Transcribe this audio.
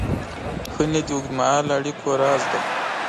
ښه نیت د اوږدمهاله اړیکو راز دی.